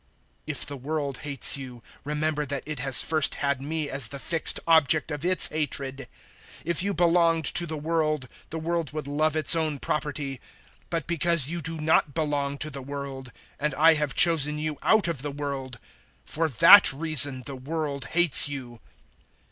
015:018 If the world hates you, remember that it has first had me as the fixed object of its hatred. 015:019 If you belonged to the world, the world would love its own property. But because you do not belong to the world, and I have chosen you out of the world for that reason the world hates you.